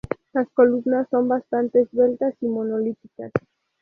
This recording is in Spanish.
Las columnas son bastantes esbeltas y monolíticas.